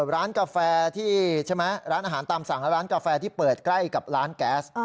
ร้านกาแฟที่ใช่ไหมร้านอาหารตามสั่งและร้านกาแฟที่เปิดใกล้กับร้านแก๊ส